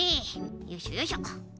よいしょよいしょ。